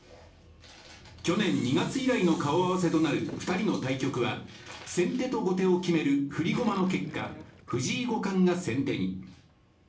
去年２月以来の顔合わせとなる２人の対局は、先手と後手を決める振り駒の結果、藤井五冠が先手に。